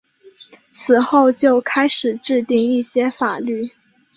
此后就开始制定一些法律。